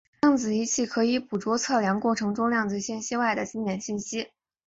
量子仪器可以捕捉测量过程中量子信息外的经典信息。